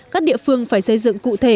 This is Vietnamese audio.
các địa phương phải xây dựng cụ thể